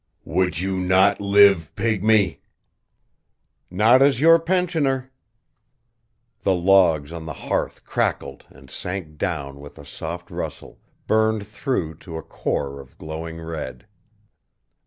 "Would you not live, pygmy?" "Not as your pensioner." The logs on the hearth crackled and sank down with a soft rustle, burned through to a core of glowing red.